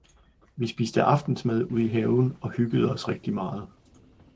Vi spiste aftensmad ude i haven og hyggede os rigtig meget.